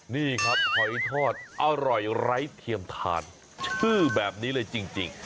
นี่ครับหอยทอดอร่อยไร้เทียมทานชื่อแบบนี้เลยจริง